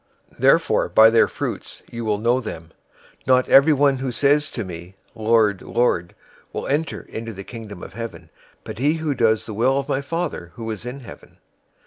007:020 Therefore, by their fruits you will know them. 007:021 Not everyone who says to me, 'Lord, Lord,' will enter into the Kingdom of Heaven; but he who does the will of my Father who is in heaven.